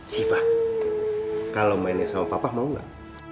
siva kalau mainnya sama papa mau nggak